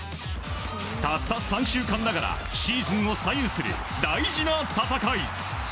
たった３週間ながらシーズンを左右する大事な戦い。